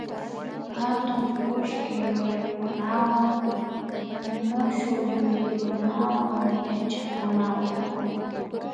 katun kullki ruraykunawan mushukyuyaykunawan yachakuna uku